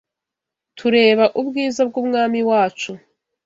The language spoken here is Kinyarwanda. Tureba ubwiza bw’Umwami wacu,